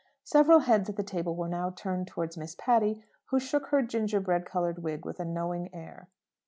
Several heads at the table were now turned towards Miss Patty, who shook her ginger bread coloured wig with a knowing air.